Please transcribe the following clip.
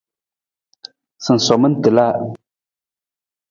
Sinsoman tiila.